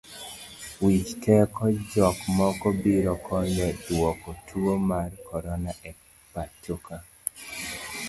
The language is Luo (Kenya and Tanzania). Wich teko jok moko biro konyo duoko tuo mar korona e pachoka.